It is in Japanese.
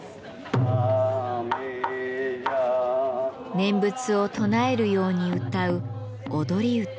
念仏を唱えるように歌う踊り唄。